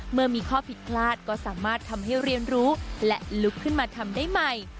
เมื่อมีข้อผิดพลาดก็สามารถทำให้เรียนรู้และลุกขึ้นมาทำได้ใหม่